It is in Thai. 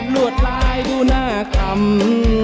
วดลายดูหน้าคำ